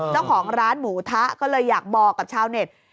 เจ้าของร้านหมูทะก็เลยอยากบอกกับชาวเน็ต